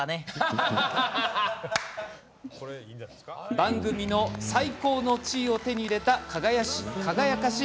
番組の最高の地位を手に入れた輝かしい